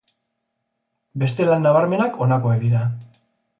Beste lan nabarmenak honakoak dira.